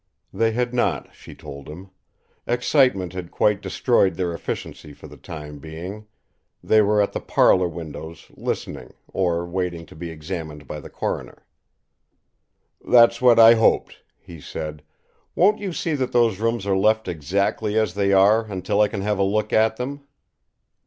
They had not, she told him. Excitement had quite destroyed their efficiency for the time being; they were at the parlour windows, listening, or waiting to be examined by the coroner. "That's what I hoped," he said. "Won't you see that those rooms are left exactly as they are until I can have a look at them?"